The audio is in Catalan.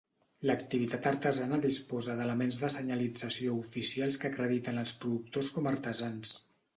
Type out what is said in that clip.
L'activitat artesana disposa d'elements de senyalització oficials que acrediten als productors com artesans.